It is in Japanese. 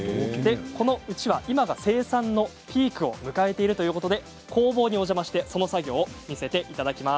このうちわ、今が生産のピークを迎えているということで工房にお邪魔してその作業を見せていただきます。